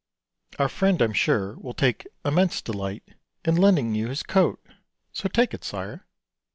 Our friend, I'm sure, will take immense delight In lending you his coat; so, take it, sire."